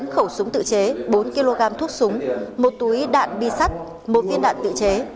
bốn khẩu súng tự chế bốn kg thuốc súng một túi đạn bi sắt một viên đạn tự chế